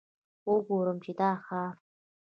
وګورم چې دا ښار.